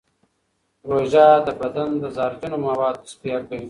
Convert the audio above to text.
روژه د بدن د زهرجنو موادو تصفیه کوي.